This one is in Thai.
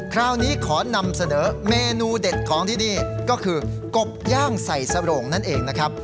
คราวนี้ขอนำเสนอเมนูเด็ดของที่นี่ก็คือกบย่างใส่สโรงนั่นเองนะครับ